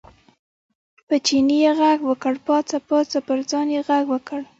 په چیني یې غږ وکړ، پاڅه پاڅه، پر ځان یې غږ وکړ.